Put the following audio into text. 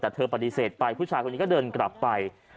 แต่บ้านยังปฎิเสธไปผู้หญิงก็เดินกลับไป